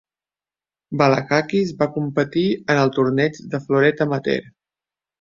Balakakis va competir en el torneig de floret amateur.